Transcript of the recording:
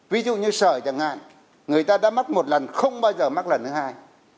ví dụ như sở chẳng hạn người ta đã mất một lần không bao giờ mắc lần thứ hai